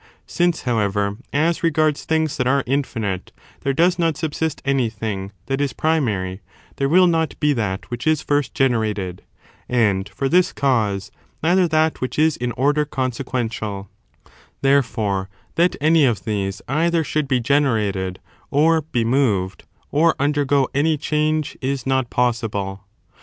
Since, however, as regards things that are infinite there does not subsist anything that is primary, there will not be that which is first generated, and for this cause neither that which is in order consequentiaL Therefore, that any of these either should be generated, or be moved, or imdergo any change, is not possible.